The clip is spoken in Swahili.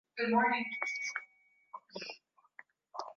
la muhimu ni kwa ni sana kwamba hakukuwa na